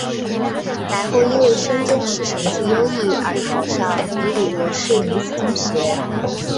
及后因为升中试成绩优良而考上庇理罗士女子中学。